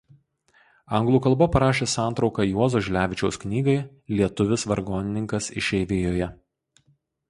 Anglų kalba parašė santrauką Juozo Žilevičiaus knygai „Lietuvis vargonininkas išeivijoje“.